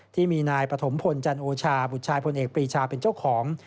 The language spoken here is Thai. ที่มีนายปฐมพลจันโอชาบุตรชายพลเอกปรีชาเป็นเจ้าของ